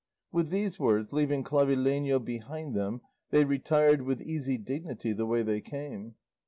With these words, leaving Clavileño behind them, they retired with easy dignity the way they came.